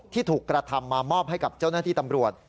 ที่ถูกกระทำมามอบให้กับเจ้าหน้าที่ตำรวจ